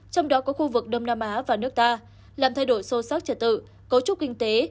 trong đó có khu vực đông nam á và nước ta làm thay đổi sâu sắc trở tự cấu trúc kinh tế